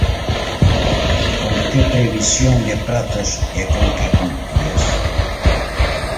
¿Con que previsión de prazos e con que contías?